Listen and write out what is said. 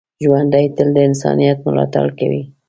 ژوندي تل د انسانیت ملاتړ کوي